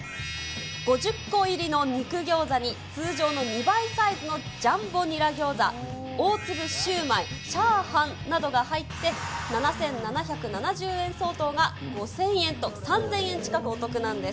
５０個入りの肉ギョーザに通常の２倍サイズのジャンボニラ餃子、大粒シューマイ、チャーハンなどが入って、７７７０円相当が５０００円と、３０００円近くお得なんです。